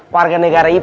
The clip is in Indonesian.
warga negara ipoh